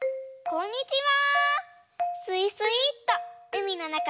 こんにちは。